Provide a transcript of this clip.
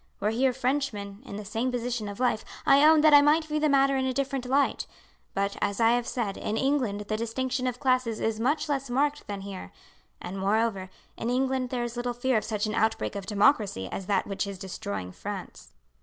Were he a Frenchman, in the same position of life, I own that I might view the matter in a different light; but, as I have said, in England the distinction of classes is much less marked than here; and, moreover, in England there is little fear of such an outbreak of democracy as that which is destroying France."